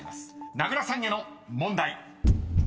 ［名倉さんへの問題］